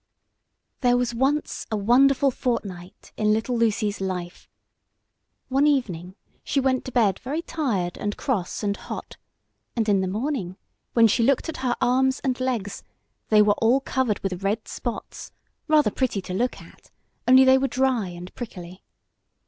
THERE was once a wonderful fortnight in little Lucy's life. One evening she went to bed very tired and cross and hot, and in the morning when she looked at her arms and legs they were all covered with red spots, rather pretty to look at, only they were dry and prickly.